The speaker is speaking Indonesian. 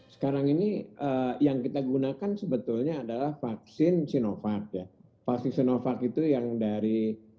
sekarang ini yang kita gunakan sebetulnya adalah vaksin sinovac ya vaksin sinovac itu yang dari